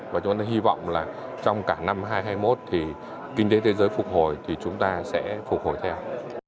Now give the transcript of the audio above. và chúng ta hy vọng là trong cả năm hai nghìn hai mươi một thì kinh tế thế giới phục hồi thì chúng ta sẽ phục hồi theo